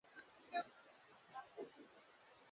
Kuiba sio kubeba na kubeba sio kuiba